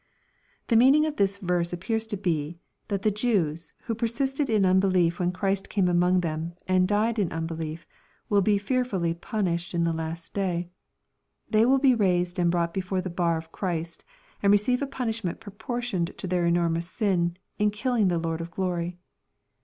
] The meaning of this verse appears to be, that the Jews, who persisted in unbelief when Christ came among them, and died in unbelief, will be fearfully punished in the last day. They will be raised and brought before the bar of Christ, and receive a punishment proportioned to their enormous sin, in killing the Lord of glory.